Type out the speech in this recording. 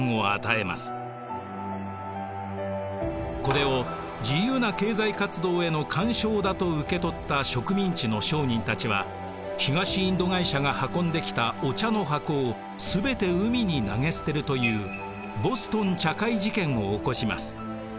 これを自由な経済活動への干渉だと受け取った植民地の商人たちは東インド会社が運んできたお茶の箱を全て海に投げ捨てるというボストン茶会事件を起こします。